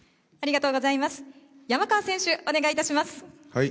山川選手、お願いいたします。